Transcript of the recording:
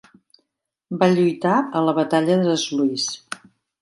Va lluitar a la Batalla de Sluis.